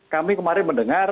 kami kemarin mendengar